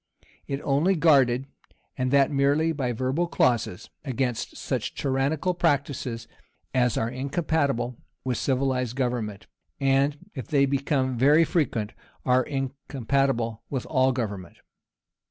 It only guarded, and that merely by verbal clauses, against such tyrannical practices as are incompatible with civilized government, and, if they become very frequent, are incompatible with all government.